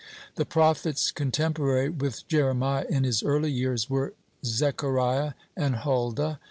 The prophets contemporary with Jeremiah in his early years were Zechariah and Huldah.